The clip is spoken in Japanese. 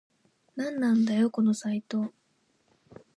なんなんだよこのサイト